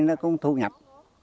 nó cũng thu nhập